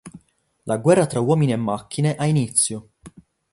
La guerra tra uomini e macchine ha inizio!